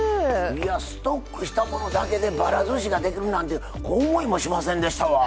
いやストックしたものだけでばらずしができるなんて思いもしませんでしたわ。